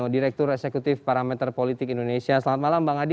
direktur eksekutif parameter politik indonesia selamat malam bang adi